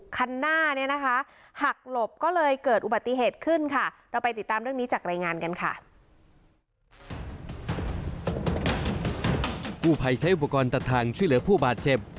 กู้ภัยใช้อุปกรณ์ตัดทางช่วยเหลือผู้บาดเจ็บ